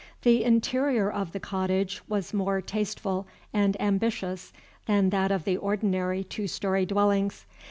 The interior of the cottage was more tasteful and ambitious than that of the ordinary two story dwellings.